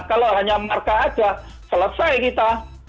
kalau hanya markah saja selesai kita